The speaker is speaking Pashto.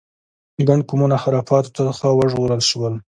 ګڼ قومونه خرافاتو څخه وژغورل شول.